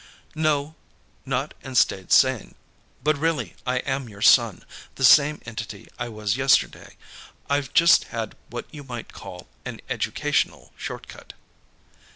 "No. Not and stayed sane. But really, I am your son; the same entity I was yesterday. I've just had what you might call an educational short cut."